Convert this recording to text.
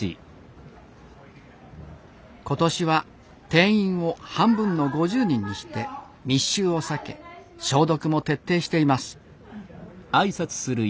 今年は定員を半分の５０人にして密集を避け消毒も徹底しています。